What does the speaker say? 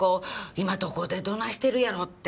今どこでどないしてるやろうって。